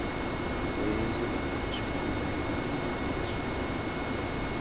冷蔵庫、食材がパーティ中。